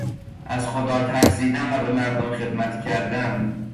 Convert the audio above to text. از خدا ترسیدن و به مردم خدمت کردن